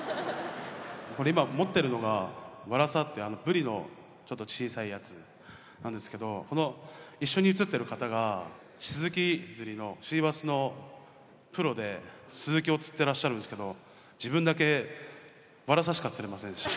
これ今持ってるのがワラサってあのブリのちょっと小さいやつなんですけどこの一緒に写ってる方がスズキ釣りのシーバスのプロでスズキを釣ってらっしゃるんですけど自分だけワラサしか釣れませんでした。